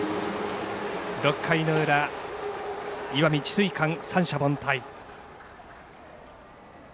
６回の裏、石見智翠館三者凡退。